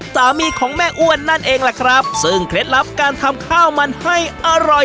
สามีของแม่อ้วนนั่นเองแหละครับซึ่งเคล็ดลับการทำข้าวมันให้อร่อย